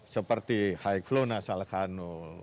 seperti hiclona salekano